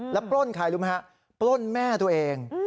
แล้วปล้นใครรู้ไหมฮะปล้นแม่ตัวเอง